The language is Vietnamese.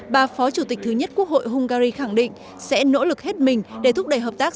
bà phó chủ tịch thứ nhất quốc hội hungary khẳng định sẽ nỗ lực hết mình để thúc đẩy hợp tác